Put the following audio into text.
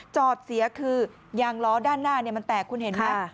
จอดเสียคือยางล้อด้านหน้ามันแตกคุณเห็นไหม